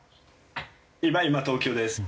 今東京です。